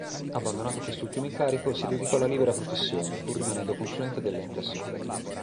Abbandonato quest'ultimo incarico, si dedicò alla libera professione, pur rimanendo consulente dell'ente assicurativo.